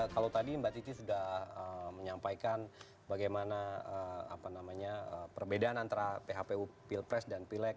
kalau tadi mbak titi sudah menyampaikan bagaimana perbedaan antara phpu pilpres dan pileg